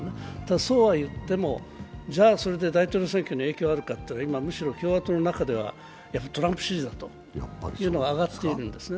そうは言っても、じゃあそれで大統領選挙に影響があるかといえば今、むしろ共和党の中ではやはりトランプ支持だというのが上がっているんですね。